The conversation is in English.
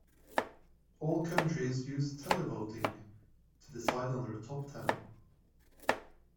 All countries used televoting to decide on their top ten.